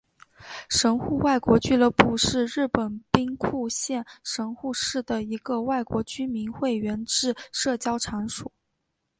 神户外国俱乐部是日本兵库县神户市的一个外国居民会员制社交场所。